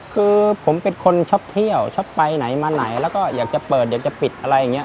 คือผมเป็นคนชอบเที่ยวชอบไปไหนมาไหนแล้วก็อยากจะเปิดอยากจะปิดอะไรอย่างนี้